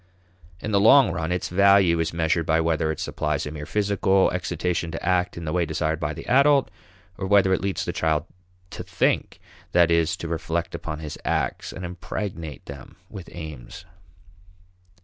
In the long run, its value is measured by whether it supplies a mere physical excitation to act in the way desired by the adult or whether it leads the child "to think" that is, to reflect upon his acts and impregnate them with aims.